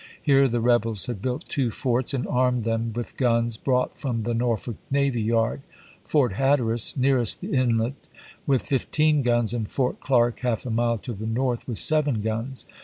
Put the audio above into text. Here the rebels had built two forts and armed them with guns brought from the Norfolk navy yard : Fort Hat teras, nearest the inlet, with fifteen guns, and Fort Clark, half a mile to the north, with seven guns.